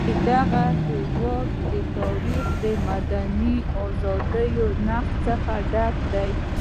د دغه هېواد تاریخ له مدني ازادیو نقض څخه ډک دی.